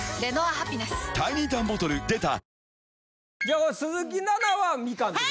あ鈴木奈々はみかんですね。